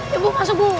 ya bu masuk bu